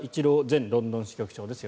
前ロンドン支局長です。